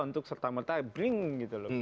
untuk serta merta bring gitu loh